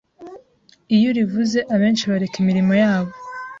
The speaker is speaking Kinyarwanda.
Iyo urivuze abenshi bareka imirimo yabo